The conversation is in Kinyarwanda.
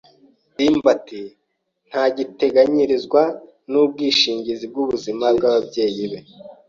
ndimbati ntagiteganyirizwa n'ubwishingizi bw'ubuzima bw'ababyeyi be.